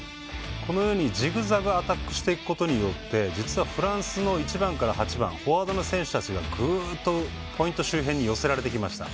このようにジグザグにアタックすることで実は、フランスの１番から８番フォワードの選手たちがグッとポイント周辺に寄せられてきました。